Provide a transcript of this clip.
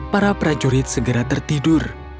para prajurit segera tertidur